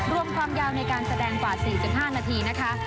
ความยาวในการแสดงกว่า๔๕นาทีนะคะ